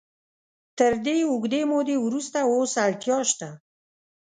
تر دې اوږدې مودې وروسته اوس اړتیا شته.